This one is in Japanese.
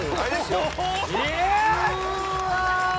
うわ！